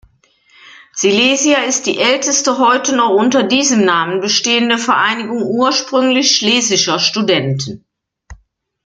Silesia ist die älteste heute noch unter diesem Namen bestehende Vereinigung ursprünglich schlesischer Studenten.